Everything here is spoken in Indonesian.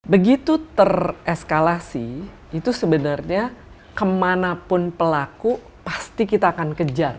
begitu tereskalasi itu sebenarnya kemanapun pelaku pasti kita akan kejar